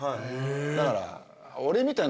だから。